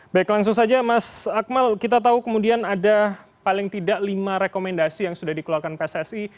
baik langsung saja mas akmal kita tahu kemudian ada paling tidak lima rekomendasi yang sudah dikeluarkan pssi